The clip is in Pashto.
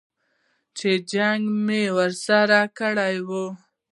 چې جنګ مو ورسره کړی و.